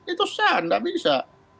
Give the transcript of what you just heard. itu sah nggak bisa